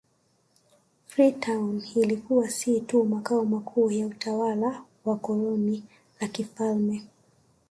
Freetown ilikuwa si tu makao makuu ya utawala wa koloni la kifalme